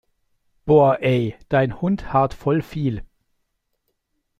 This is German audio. Boah ey, dein Hund haart voll viel!